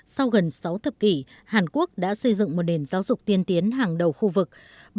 sau gần sáu thập kỷ hàn quốc đã xây dựng một nền giáo dục tiên tiến hàng đầu khu vực